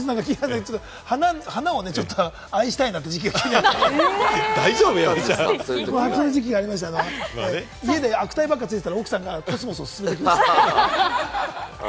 花を愛したいなという時期がありまして、そういう時期がありまして、家で悪態ばっかついてたら、奥さんがコスモスをすすめてきました。